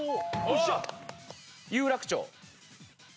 有楽町。